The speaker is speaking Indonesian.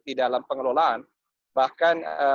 di dalam pengelolaan bahkan